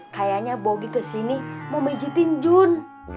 kayaknya bogi ke sini mau menjitin jun